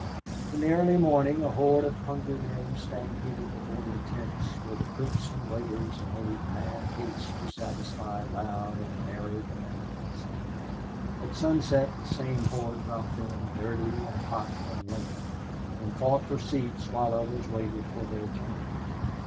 In the early morning a horde of hungry men stampeded the boarding tents where the cooks and waiters made mad haste to satisfy loud and merry demands. At sunset the same horde dropped in, dirty and hot and lame, and fought for seats while others waited for their turn.